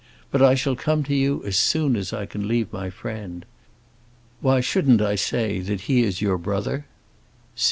But I shall come to you as soon as I can leave my friend. Why shouldn't I say that he is your brother?